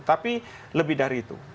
tapi lebih dari itu